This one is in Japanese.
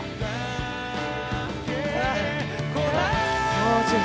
もうちょい。